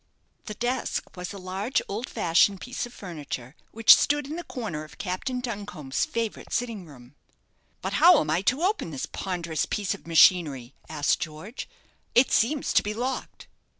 The desk was a large old fashioned piece of furniture, which stood in the corner of Captain Duncombe's favourite sitting room. "But how am I to open this ponderous piece of machinery?" asked George. "It seems to be locked."